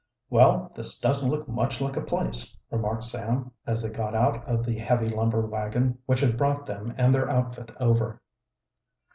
"Well, this doesn't look much like a place," remarked Sam, as they got out of the heavy lumber wagon which had brought them and their outfit over.